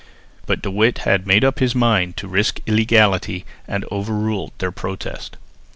But De Witt had made up his mind to risk illegality, and overruled their protest.